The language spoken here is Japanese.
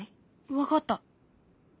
分かった。